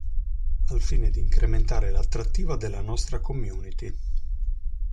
Al fine di incrementare l'attrattiva della nostra community.